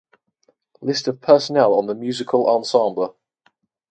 List of personnel of the musical ensemble.